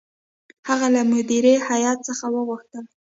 هغه له مدیره هیات څخه وغوښتل.